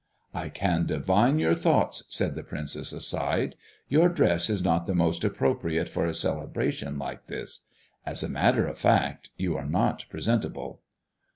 "I can divine your thoughts," said the princess, aside. "Your dress is not the most appropriate for a celebration like this. As a matter of fact, you are not presentable."